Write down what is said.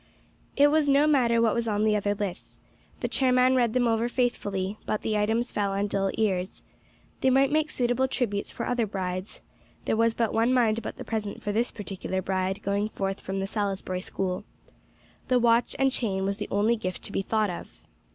It was no matter what was on the other lists. The chairman read them over faithfully, but the items fell upon dull ears. They might make suitable tributes for other brides; there was but one mind about the present for this particular bride going forth from the Salisbury School. The watch and chain was the only gift to be thought of.